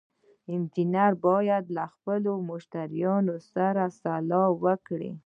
انجینر باید له خپلو مشتریانو سره سلا وکړي.